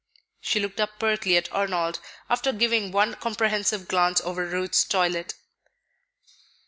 She looked up pertly at Arnold, after giving one comprehensive glance over Ruth's toilet.